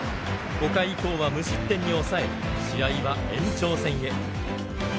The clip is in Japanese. ５回以降は無失点に抑え試合は延長戦へ。